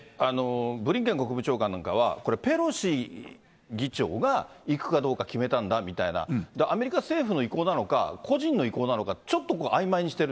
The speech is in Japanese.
ブリンケン国務長官なんかは、これ、ペロシ議長が行くかどうか決めたんだみたいな、アメリカ政府の意向なのか、個人の意向なのか、ちょっとこれ、そうです。